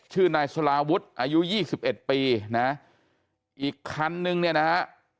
ชื่อนายสลาวุฒิอายุยี่สิบเอ็ดปีนะอีกคันนึงเนี่ยนะฮะ